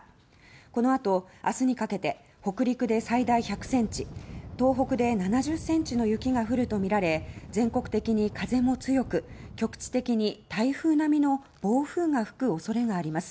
この後、明日にかけて北陸で最大１００ｃｍ東北で７０ｃｍの雪が降るとみられ全国的に風も強く局地的に台風並みの暴風が吹く恐れがあります。